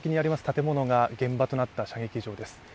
建物が現場となった射撃場です。